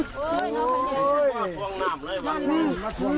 สุดครับเจ้าหน้าที่ดำน้ำครับ